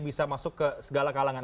bisa masuk ke segala kalangan